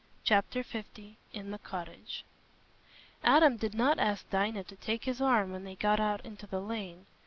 Chapter L In the Cottage Adam did not ask Dinah to take his arm when they got out into the lane.